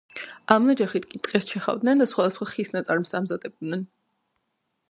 ამ ნაჯახებით კი ტყეს ჩეხავდნენ და სხვადასხვა ხის ნაწარმს ამზადებდნენ.